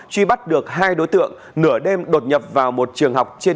truy bắt được hai đối tượng nửa đêm đột nhập vào một trường học trên